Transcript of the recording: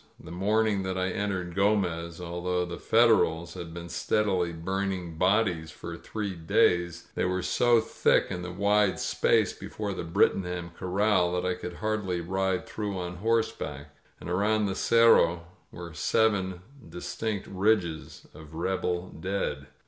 •.• The morn ing that I entered Gomez, although the Federals had been steadily burning bodies for three days, they were so thick in the wide space before the Brittingham Cor ral that I could hardly ride through on horseback, and around the Cerro were seven distinct ridges of rebel dead.